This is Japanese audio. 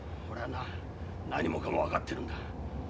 俺はな何もかも分かってるんだ。